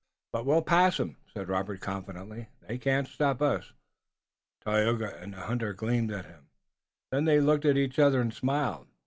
"But we'll pass 'em," said Robert confidently. "They can't stop us!" Tayoga and the hunter glanced at him. Then they looked at each other and smiled.